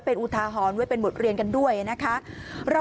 เป็นอุทาหรณ์ไว้เป็นบทเรียนกันด้วยนะคะ